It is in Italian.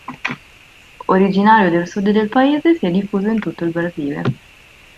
Originario del sud del paese, si è diffuso in tutto il Brasile.